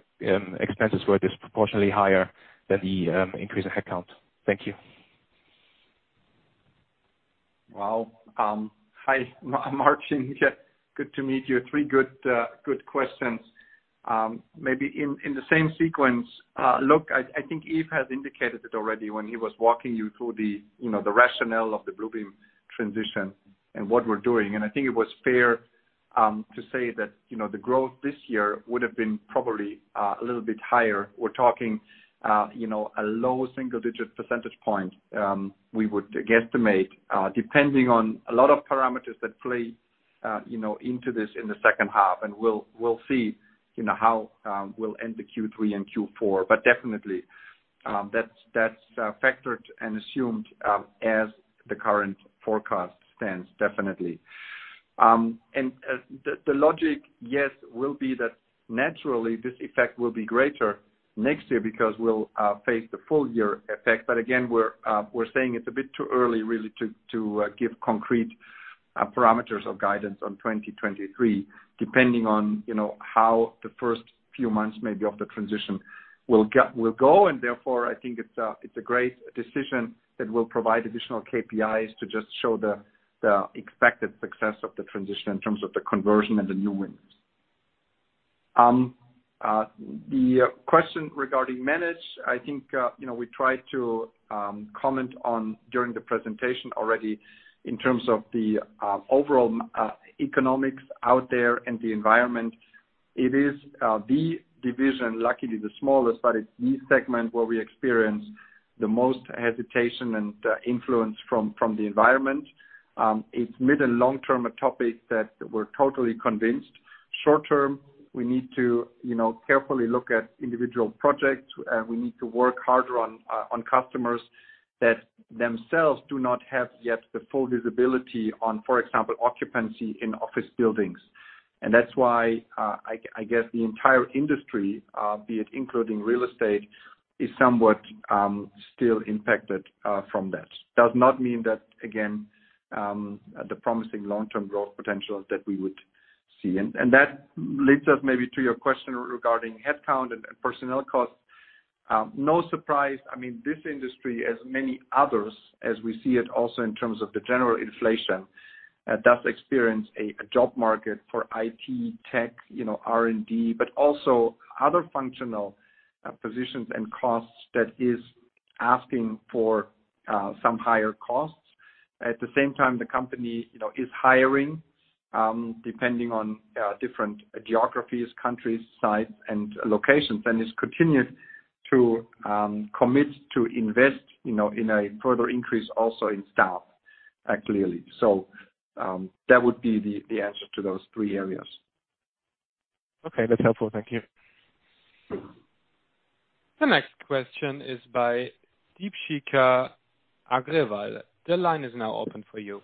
expenses were disproportionately higher than the increase in headcount. Thank you. Wow. Hi, Martin. Good to meet you. Three good questions. Maybe in the same sequence. Look, I think Yves has indicated it already when he was walking you through the, you know, the rationale of the Bluebeam transition and what we're doing. I think it was fair to say that, you know, the growth this year would have been probably a little bit higher. We're talking, you know, a low single-digit percentage point, we would guesstimate, depending on a lot of parameters that play, you know, into this in the second half. We'll see, you know, how we'll end the Q3 and Q4. Definitely, that's factored and assumed as the current forecast stands, definitely. The logic, yes, will be that naturally this effect will be greater next year because we'll face the full year effect. But again, we're saying it's a bit too early really to give concrete parameters or guidance on 2023, depending on, you know, how the first few months maybe of the transition will go. Therefore, I think it's a great decision that will provide additional KPIs to just show the expected success of the transition in terms of the conversion and the new winners. The question regarding Manage, I think, you know, we tried to comment on during the presentation already in terms of the overall economics out there and the environment. It is the division, luckily the smallest, but it's the segment where we experience the most hesitation and influence from the environment. It's mid and long-term a topic that we're totally convinced. Short-term, we need to, you know, carefully look at individual projects. We need to work harder on customers that themselves do not have yet the full visibility on, for example, occupancy in office buildings. That's why, I guess the entire industry, be it including real estate, is somewhat still impacted from that. Does not mean that, again, the promising long-term growth potential that we would see. That leads us maybe to your question regarding headcount and personnel costs. No surprise, I mean, this industry as many others, as we see it also in terms of the general inflation, does experience a job market for IT, tech, you know, R&D, but also other functional positions and costs that is asking for some higher costs. At the same time, the company, you know, is hiring, depending on different geographies, countries, sites and locations, and has continued to commit to invest, you know, in a further increase also in staff, clearly. That would be the answer to those three areas. Okay, that's helpful. Thank you. The next question is by Deepshikha Agarwal. The line is now open for you.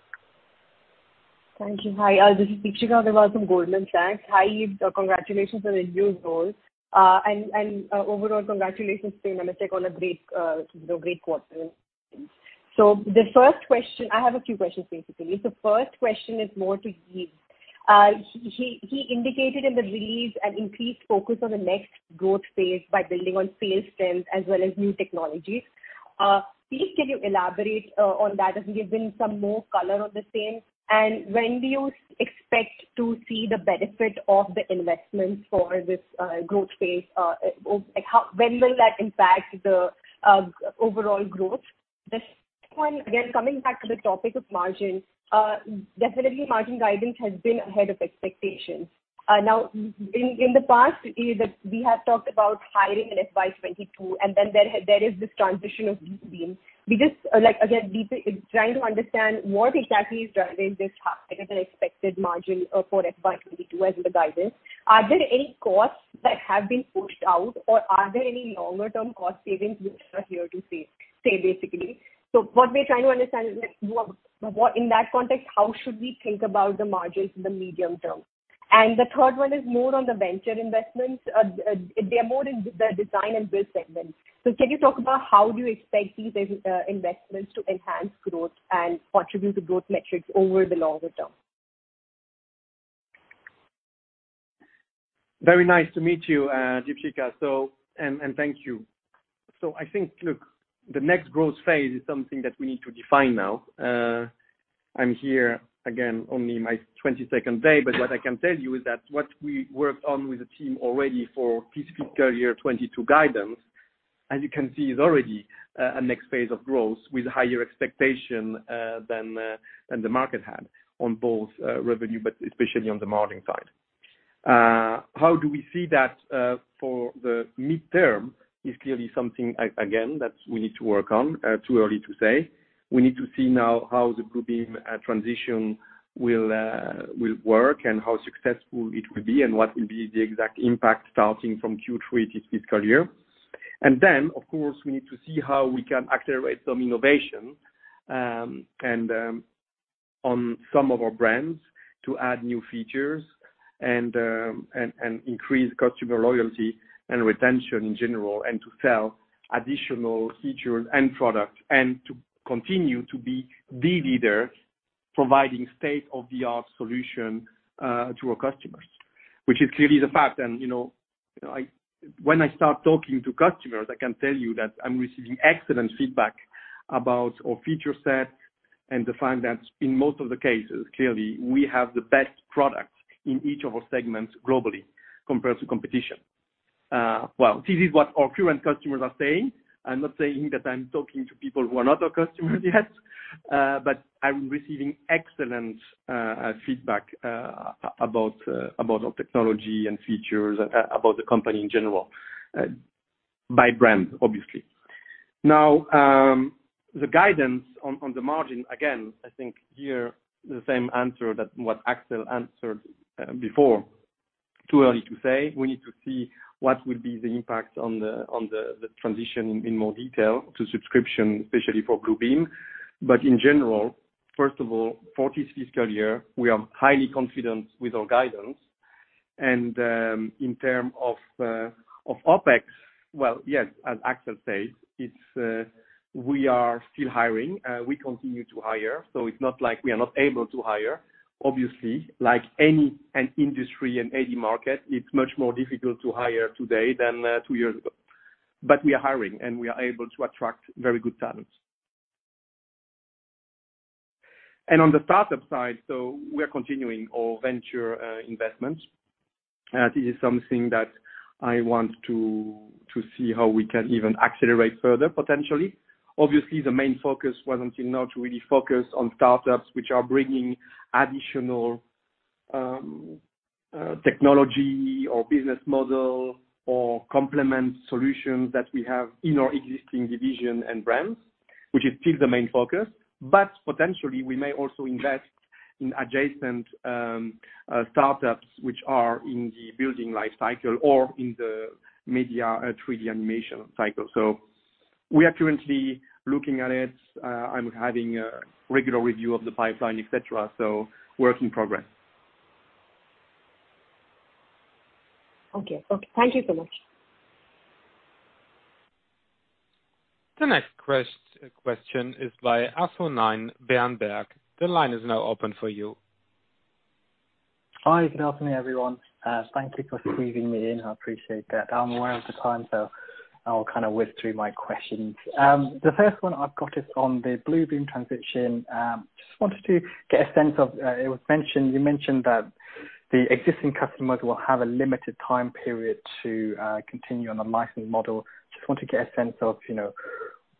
Thank you. Hi, this is Deepshikha Agarwal from Goldman Sachs. Hi, Yves, congratulations on your new role. Overall congratulations to Nemetschek on a great, you know, great quarter. I have a few questions basically. The first question is more to Yves. He indicated in the release an increased focus on the next growth phase by building on sales strength as well as new technologies. Please, can you elaborate on that and give him some more color on the same? And when do you expect to see the benefit of the investments for this growth phase? When will that impact the overall growth? The second one, again, coming back to the topic of margin, definitely margin guidance has been ahead of expectations. In the past, Yves Padrines, we have talked about hiring in FY'22, and then there is this transition of Bluebeam. Like again, Deepshikha is trying to understand what exactly is driving this higher than expected margin for FY'22 as per the guidance. Are there any costs that have been pushed out, or are there any longer term cost savings which are here to stay basically? What we're trying to understand is like, in that context, how should we think about the margins in the medium term? The third one is more on the venture investments. They're more in the design and build segment. Can you talk about how you expect these investments to enhance growth and contribute to growth metrics over the longer term? Very nice to meet you, Deepshikha. Thank you. I think, look, the next growth phase is something that we need to define now. I'm here, again, only my 22nd day, but what I can tell you is that what we worked on with the team already for fiscal year 2022 guidance, as you can see, is already a next phase of growth with higher expectation than the market had on both revenue, but especially on the margin side. How do we see that for the midterm is clearly something again that we need to work on. Too early to say. We need to see now how the Bluebeam transition will work and how successful it will be and what will be the exact impact starting from Q3 this fiscal year. Of course, we need to see how we can accelerate some innovation and on some of our brands to add new features and increase customer loyalty and retention in general, and to sell additional features and products, and to continue to be the leader providing state-of-the-art solution to our customers. Which is clearly the fact and, you know, when I start talking to customers, I can tell you that I'm receiving excellent feedback about our feature set and to find that in most of the cases, clearly, we have the best products in each of our segments globally compared to competition. Well, this is what our current customers are saying. I'm not saying that I'm talking to people who are not our customers yet, but I'm receiving excellent feedback about our technology and features, about the company in general, by brand, obviously. Now, the guidance on the margin, again, I think here the same answer that what Axel answered before. Too early to say. We need to see what will be the impact on the transition in more detail to subscription, especially for Bluebeam. In general, first of all, for this fiscal year, we are highly confident with our guidance. In terms of OpEx, well, yes, as Axel said, it's we are still hiring, we continue to hire, so it's not like we are not able to hire. Obviously, like any industry in any market, it's much more difficult to hire today than two years ago. We are hiring, and we are able to attract very good talents. On the startup side, we are continuing our venture investments. This is something that I want to see how we can even accelerate further, potentially. The main focus was until now to really focus on startups which are bringing additional technology or business model or complementary solutions that we have in our existing division and brands, which is still the main focus. Potentially we may also invest in adjacent startups which are in the building life cycle or in the media 3D animation cycle. We are currently looking at it. I'm having a regular review of the pipeline, et cetera. Work in progress. Okay. Thank you so much. The next question is by Berenberg. The line is now open for you. Hi, good afternoon, everyone. Thank you for squeezing me in. I appreciate that. I'm aware of the time, so I'll kinda whip through my questions. The first one I've got is on the Bluebeam transition. Just wanted to get a sense of, it was mentioned. You mentioned that the existing customers will have a limited time period to continue on the licensing model. Just want to get a sense of, you know,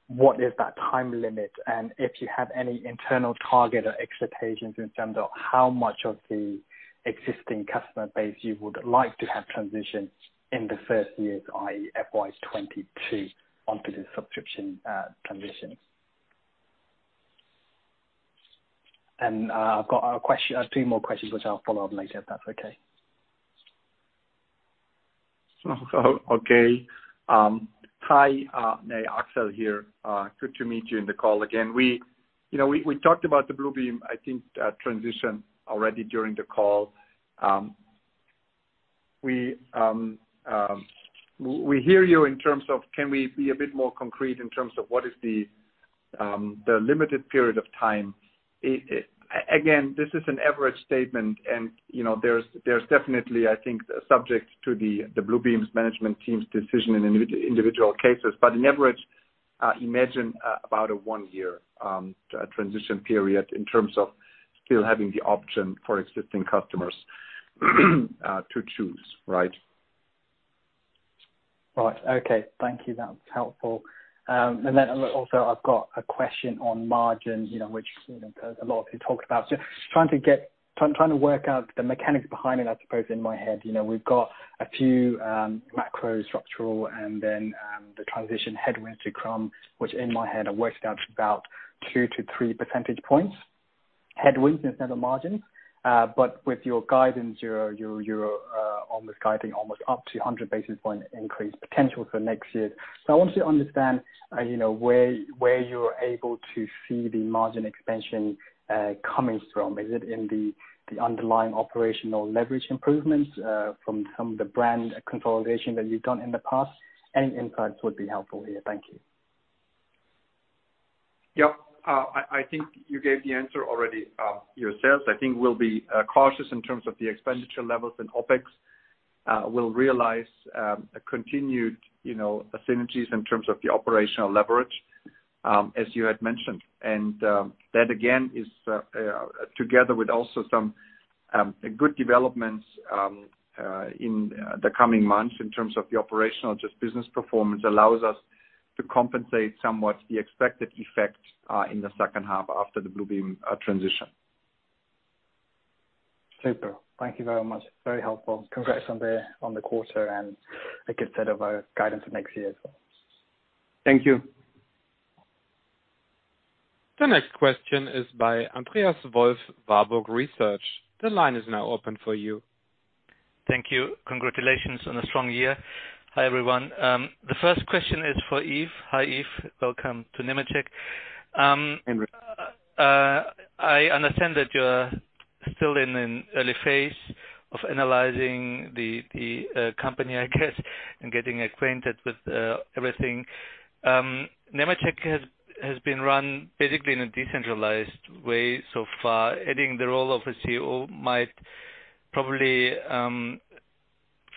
what is that time limit, and if you have any internal target or expectations in terms of how much of the existing customer base you would like to have transitioned in the first years, i.e., FY'22, onto the subscription transition. I've got two more questions which I'll follow up later if that's okay. Hi, Axel here. Good to meet you in the call again. We, you know, we talked about the Bluebeam, I think, transition already during the call. We hear you in terms of can we be a bit more concrete in terms of what is the limited period of time. Again, this is an average statement and, you know, there's definitely, I think, subject to the Bluebeam's management team's decision in individual cases. But on average, imagine about a 1-year transition period in terms of still having the option for existing customers to choose, right? Right. Okay. Thank you. That's helpful. Then also I've got a question on margin, you know, which, you know, a lot of people talked about. Just trying to work out the mechanics behind it, I suppose, in my head. You know, we've got a few macro structural and then the transition headwinds to CRM, which in my head are worked out to about 2-3 percentage points headwinds on net margin. With your guidance, you're almost guiding up to 100 basis points increase potential for next year. I want to understand, you know, where you're able to see the margin expansion coming from. Is it in the underlying operational leverage improvements from the brand consolidation that you've done in the past? Any insights would be helpful here. Thank you. Yeah. I think you gave the answer already yourself. I think we'll be cautious in terms of the expenditure levels and OpEx. We'll realize a continued, you know, synergies in terms of the operational leverage as you had mentioned. That again is together with also some good developments in the coming months in terms of the operational just business performance allows us to compensate somewhat the expected effect in the second half after the Bluebeam transition. Super. Thank you very much. Very helpful. Congrats on the quarter and a good set of guidance for next year as well. Thank you. The next question is by Andreas Wolf, Warburg Research. The line is now open for you. Thank you. Congratulations on a strong year. Hi, everyone. The first question is for Yves. Hi, Yves. Welcome to Nemetschek. I understand that you're still in an early phase of analyzing the company, I guess, and getting acquainted with everything. Nemetschek has been run basically in a decentralized way so far. Adding the role of a CEO might probably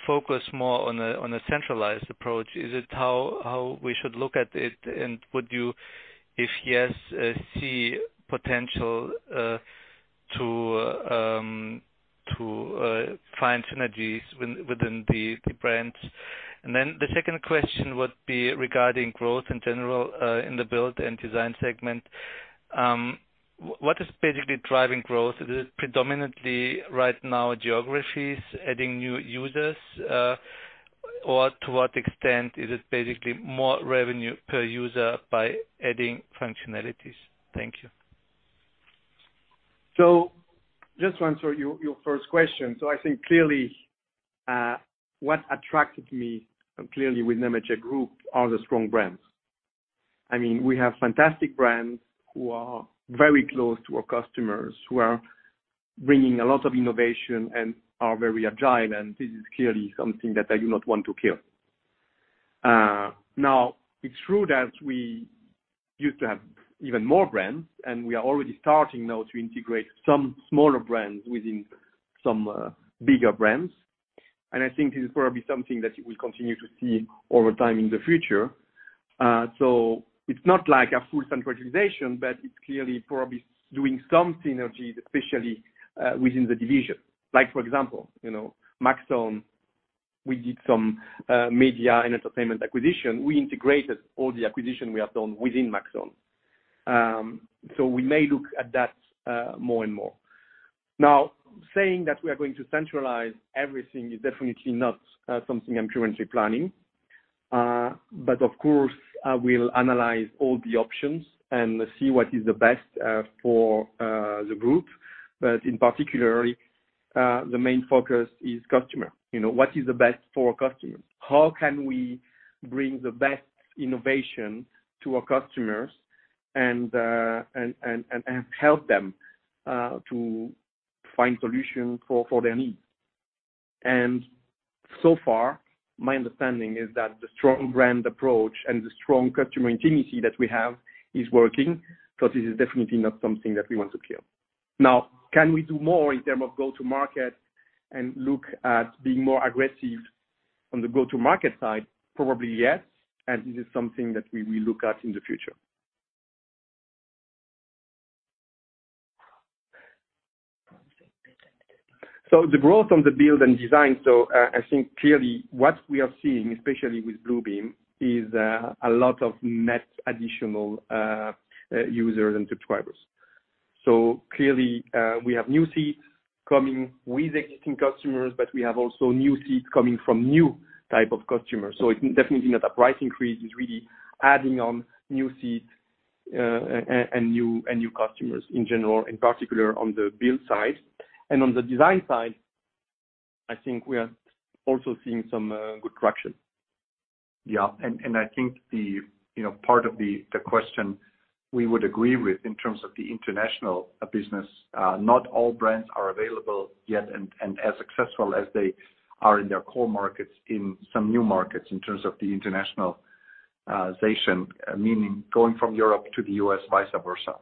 focus more on a centralized approach. Is it how we should look at it? And would you, if yes, see potential to find synergies within the brands? And then the second question would be regarding growth in general in the build and design segment. What is basically driving growth? Is it predominantly right now geographies adding new users? To what extent is it basically more revenue per user by adding functionalities? Thank you. Just to answer your first question. I think clearly, what attracted me clearly with Nemetschek Group are the strong brands. I mean, we have fantastic brands who are very close to our customers, who are bringing a lot of innovation and are very agile, and this is clearly something that I do not want to kill. Now, it's true that we used to have even more brands, and we are already starting now to integrate some smaller brands within some bigger brands. I think this is probably something that you will continue to see over time in the future. It's not like a full centralization, but it's clearly probably doing some synergies, especially within the division. Like for example, you know, Maxon, we did some media and entertainment acquisition. We integrated all the acquisition we have done within Maxon. We may look at that more and more. Now, saying that we are going to centralize everything is definitely not something I'm currently planning. But of course, I will analyze all the options and see what is the best for the group. But in particular, the main focus is customer. You know, what is the best for our customers? How can we bring the best innovation to our customers and help them to find solutions for their needs? So far, my understanding is that the strong brand approach and the strong customer intimacy that we have is working, because this is definitely not something that we want to kill. Now, can we do more in terms of go-to-market and look at being more aggressive on the go-to-market side? Probably, yes, and this is something that we will look at in the future. The growth on the build and design. I think clearly what we are seeing, especially with Bluebeam, is a lot of net additional users and subscribers. Clearly, we have new seats coming with existing customers, but we have also new seats coming from new type of customers. It's definitely not a price increase, it's really adding on new seats and new customers in general, in particular on the build side. On the design side, I think we are also seeing some good traction. Yeah. I think the, you know, part of the question we would agree with in terms of the international business, not all brands are available yet and as successful as they are in their core markets, in some new markets in terms of the internationalization, meaning going from Europe to the U.S., vice versa.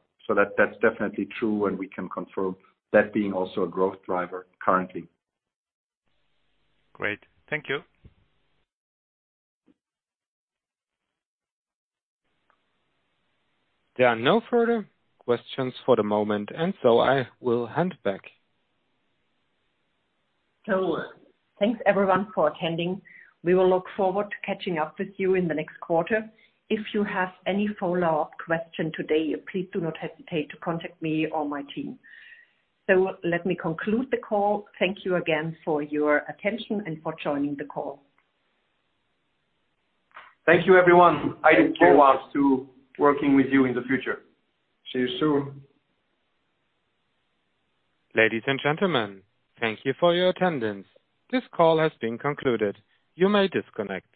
That's definitely true, and we can confirm that being also a growth driver currently. Great. Thank you. There are no further questions for the moment, and so I will hand back. Thanks everyone for attending. We will look forward to catching up with you in the next quarter. If you have any follow-up question today, please do not hesitate to contact me or my team. Let me conclude the call. Thank you again for your attention and for joining the call. Thank you, everyone. I look forward to working with you in the future. See you soon. Ladies and gentlemen, thank you for your attendance. This call has been concluded. You may disconnect.